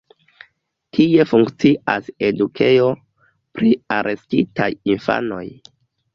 Tie funkcias edukejo pri arestitaj infanoj.